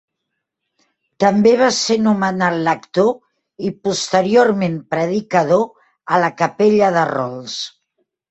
També va ser nomenat lector, i posteriorment predicador, a la capella de Rolls.